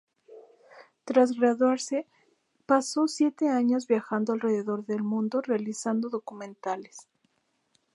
Tras graduarse, pasó siete años viajando alrededor del mundo realizando documentales.